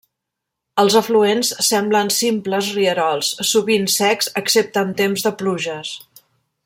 Els afluents semblen simples rierols, sovint secs excepte en temps de pluges.